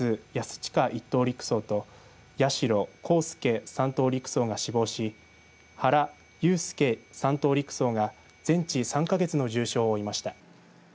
親１等陸曹と八代航佑３等陸曹が死亡し原悠介３等陸曹が全治３か月の重傷を負いました。